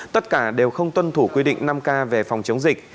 tất cả đều không tuân thủ quy định năm k về phòng chống dịch